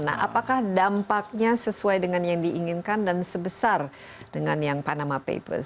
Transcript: nah apakah dampaknya sesuai dengan yang diinginkan dan sebesar dengan yang panama papers